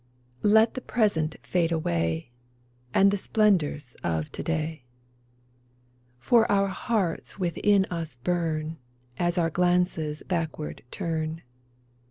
Let the present fade away, And the splendors of to day ; For our hearts within us burn As our glances backward turn.